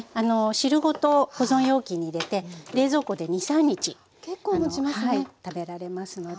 汁ごと保存容器に入れて冷蔵庫で２３日食べられますので。